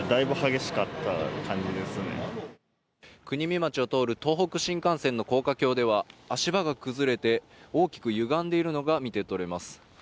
国見町を通る東北新幹線の高架橋では足場が崩れて大きくゆがんでいるのが見て取れます。